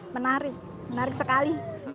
menarik menarik sekali